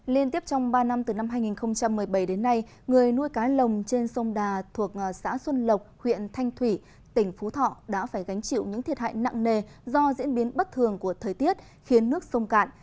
liên tiếp trong ba năm từ năm hai nghìn một mươi bảy đến nay người nuôi cá lồng trên sông đà thuộc xã xuân lộc huyện thanh thủy tỉnh phú thọ đã phải gánh chịu những thiệt hại nặng nề do diễn biến bất thường của thời tiết khiến nước sông cạn